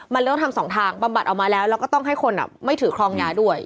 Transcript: มันเลยต้องทำสองทางบำบัดออกมาแล้วแล้วก็ต้องให้คนไม่ถือครองยาด้วย